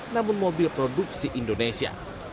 namun mobil produksi indonesia